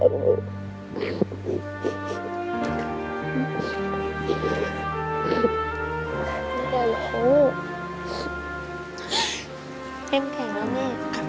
เข้มแข็งแล้วแม่